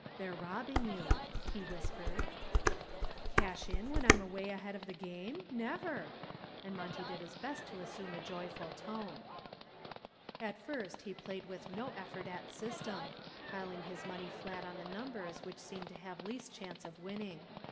They're robbing you," he whispered. "Cash in when I'm away ahead of the game? Never!" and Monty did his best to assume a joyful tone. At first he played with no effort at system, piling his money flat on the numbers which seemed to have least chance of winning.